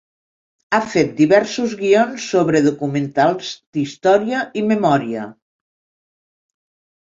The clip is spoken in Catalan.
Ha fet diversos guions sobre documentals d'història i memòria.